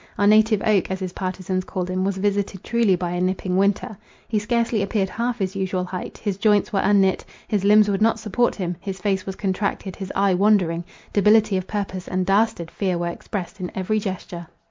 Our native oak, as his partisans called him, was visited truly by a nipping winter. He scarcely appeared half his usual height; his joints were unknit, his limbs would not support him; his face was contracted, his eye wandering; debility of purpose and dastard fear were expressed in every gesture.